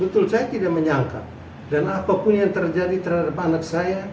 terima kasih bapak